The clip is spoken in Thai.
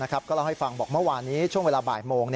ก็เล่าให้ฟังบอกเมื่อวานนี้ช่วงเวลาบ่ายโมง